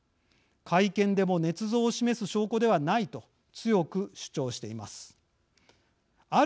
会見でもねつ造を示す証拠ではないと強く主張しています。